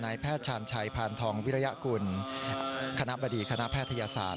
แพทย์ชาญชัยพานทองวิริยกุลคณะบดีคณะแพทยศาสตร์